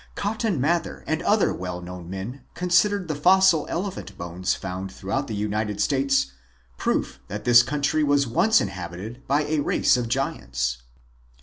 Cotton Mather and other well known men considered the fossil elephant bones found throughout the United States proof that this country was once inhabited by a race of giants.